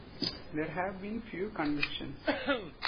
There have been few convictions.